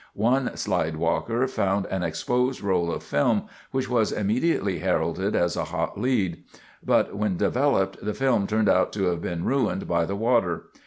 One slide walker found an exposed roll of film which was immediately heralded as a hot lead. But when developed, the film turned out to have been ruined by the water.